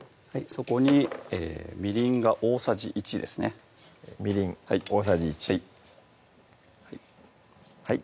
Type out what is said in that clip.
そこにみりんが大さじ１ですねみりん大さじ１はい